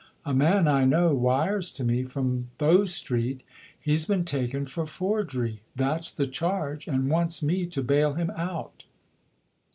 A man I know wires to me from Bow Street. He's been taken for forgery that's the charge and wants me to bail him out."